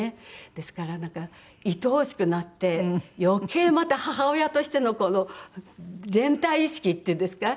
ですからなんかいとおしくなって余計また母親としての連帯意識っていうんですか？